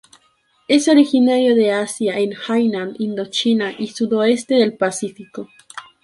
Es originario de Asia en Hainan, Indochina y sudoeste del Pacífico.